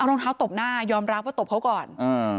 รองเท้าตบหน้ายอมรับว่าตบเขาก่อน